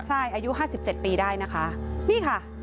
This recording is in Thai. ใช่อายุ๕๗ปีได้นะคะ